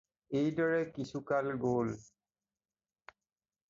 এইদৰে কিছুকাল গ'ল।